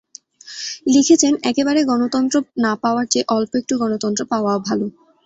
লিখেছেন, একেবারে গণতন্ত্র না পাওয়ার চেয়ে অল্প একটু গণতন্ত্র পাওয়াও ভালো।